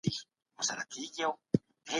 انسان بايد له دروغو ځان وساتي.